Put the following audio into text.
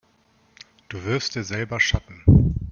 Du wirfst dir selber Schatten.